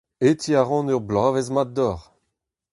Hetiñ a ran ur bloavezh mat deoc'h.